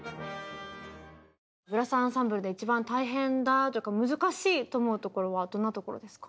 ブラスアンサンブルで一番大変だ難しいと思うところはどんなところですか？